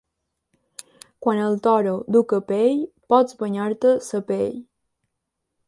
Quan el Toro du capell, pots banyar-te sa pell.